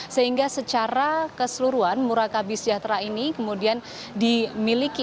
sehingga secara keseluruhan murakabi sejahtera ini kemudian dimiliki